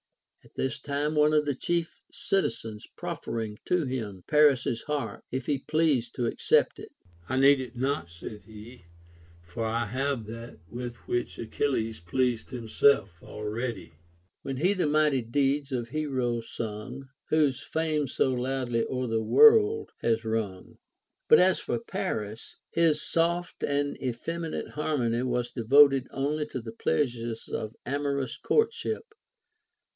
At this time one of the chief citizens proffering to him Paris's harp, if he pleased to accept it ; I need it not, said he, for I have that with which Achilles pleased himself already, When he the mighty deeds of heroes sung, Whose fame so loudly o'er the world has rung ; t but as for Paris, his soft and effeminate harmony Avas de voted only to the pleasures of amorous courtship.